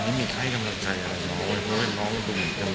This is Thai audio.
ตอนนี้มีใครกำลังใจอ่ะน้อง